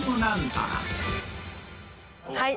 はい。